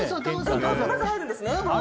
まず入るんですね？